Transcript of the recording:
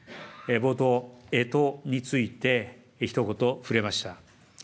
冒頭、えとについてひと言触れました。